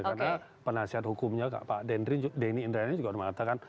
karena penasihat hukumnya pak dendri denny indra ini juga mengatakan